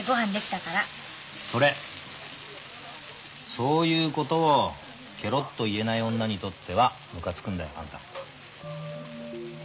そういうことをケロッと言えない女にとってはムカつくんだよあんた。